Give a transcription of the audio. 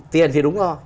tiền thì đúng rồi